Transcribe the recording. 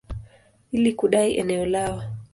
ili kudai eneo lao.